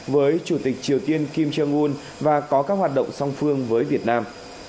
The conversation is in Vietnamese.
với chủ tịch triều tiên kim jong un và có các hoạt động song phương với việt nam